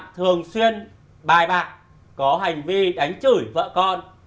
thường xuyên bài bạc có hành vi đánh chửi vợ con